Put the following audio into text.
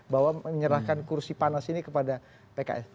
bahwa menyerahkan kursi panas ini kepada pks